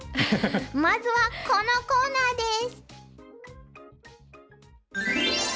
まずはこのコーナーです。